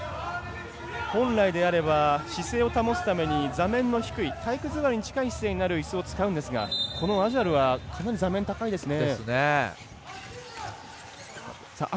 本来であれば姿勢を保つために座面の低い体育座りに近い姿勢になるいすを使うんですがこのアジャルはかなり座面が高いですね。